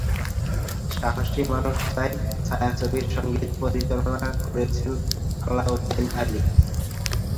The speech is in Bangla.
সাহসী মানুষ চাই ছায়াছবির সঙ্গীত পরিচালনা করেছেন আলাউদ্দিন আলী।